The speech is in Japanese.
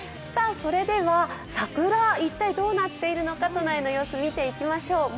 それでは桜、一体どうなっているのか都内の様子、見ていきましょう。